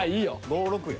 ５６や。